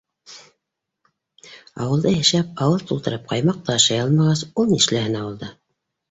Ауылда йәшәп ауыҙ тултырып ҡаймаҡ та ашай алмағас, ул нишләһен ауылда?